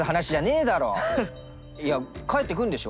帰ってくんでしょ？